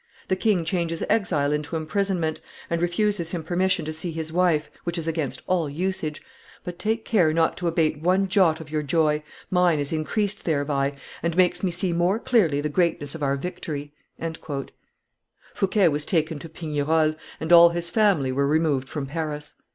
The king changes exile into imprisonment, and refuses him permission to see his wife, which is against all usage; but take care not to abate one jot of your joy; mine is increased thereby, and makes me see more clearly the greatness of our victory." Fouquet was taken to Pignerol, and all his family were removed from Paris.